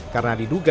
karena di indonesia